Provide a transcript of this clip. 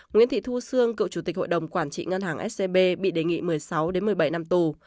nguyễn thị thu sương cựu chủ tịch hội đồng quản trị ngân hàng scb bị đề nghị một mươi sáu một mươi bảy năm tù